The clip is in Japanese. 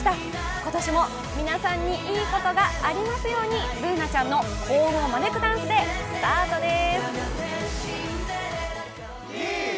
今年も皆さんにいいことがありますように、Ｂｏｏｎａちゃんの幸運を招くダンスでスタートです。